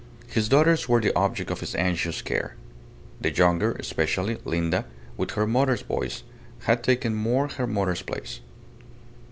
His daughters were the object of his anxious care. The younger, especially. Linda, with her mother's voice, had taken more her mother's place.